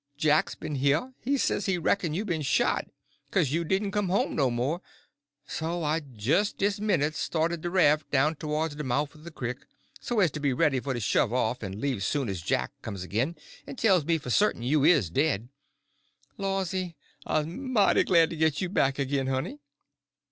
Jack's been heah; he say he reck'n you's ben shot, kase you didn' come home no mo'; so I's jes' dis minute a startin' de raf' down towards de mouf er de crick, so's to be all ready for to shove out en leave soon as Jack comes agin en tells me for certain you is dead. Lawsy, I's mighty glad to git you back again, honey."